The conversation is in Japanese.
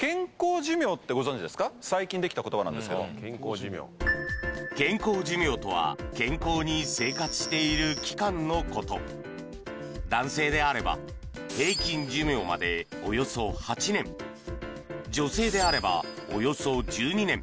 皆さんまず最近できた言葉なんですけど・健康寿命健康寿命とは健康に生活している期間のこと男性であれば平均寿命までおよそ８年女性であればおよそ１２年